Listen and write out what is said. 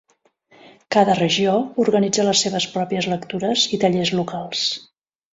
Cada regió organitza les seves pròpies lectures i tallers locals.